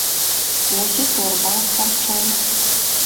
Вось і торба ад харчоў.